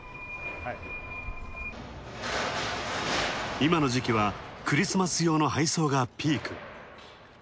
今の時期は、クリスマス用の配送がピーク。